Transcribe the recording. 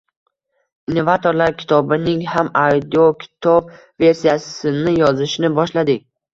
“Innovatorlar” kitobining ham audiokitob versiyasini yozishni boshladik.